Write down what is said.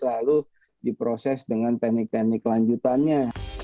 lalu diproses dengan teknik teknik lanjutannya